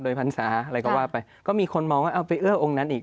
พรรษาอะไรก็ว่าไปก็มีคนมองว่าเอาไปเอื้อองค์นั้นอีก